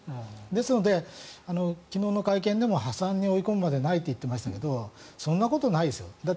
ですので、昨日の会見でも破産に追い込んでいないとおっしゃっていましたがそんなことないですよ。